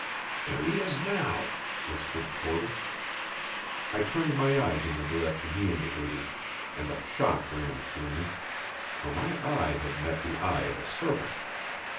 "There he is now," whispered Porter. I turned my eyes in the direction he indicated, and a shock ran through me; for my eye had met the eye of a serpent.